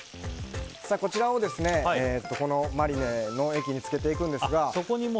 こちらをマリネ液につけていくんですが。